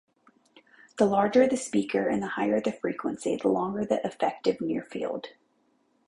The larger the speaker, and the higher the frequency, the longer the effective nearfield.